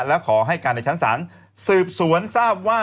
และขอให้การในชั้นศาลสืบสวนทราบว่า